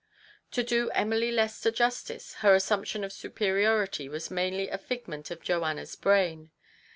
To do Emily Lester justice, her assumption of superiority was mainly a figment of Joanna's brain.